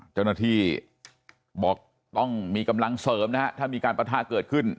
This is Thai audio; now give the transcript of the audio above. เจ้าหน้าที่บอกต้องมีกำลังเสริมนะฮะถ้ามีการปะทะเกิดขึ้น